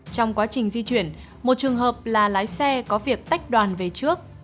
trong quá trình di chuyển một trường hợp là lái xe có việc tách đoàn về trước